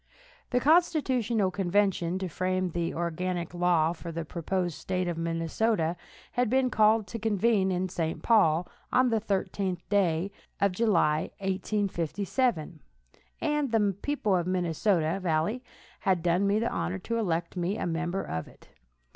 The constitutional convention to frame the organic law for the proposed State of Minnesota had been called to convene in St. Paul, on the thirteenth day of July, 1857, and the people of the Minnesota valley had done me the honor to elect me a member of it.